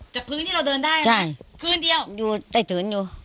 จากพื้นที่เราเดินได้นะคืนเดียวอยู่ใต้ตื่นอยู่